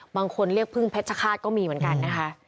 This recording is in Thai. บางคนเรียกพึ่งเพชรฆาตก็มีเหมือนกันนะคะ